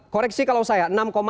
koreksi kalau saya